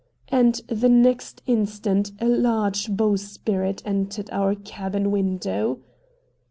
And the next instant a large bowsprit entered our cabin window.